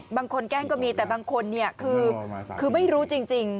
บางคนแกล้งก็มีแต่บางคนคือไม่รู้จริง